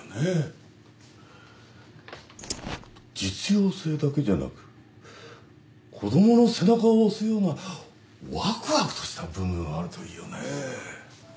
実用性だけじゃなく子供の背中を押すようなわくわくとした文具があるといいよね。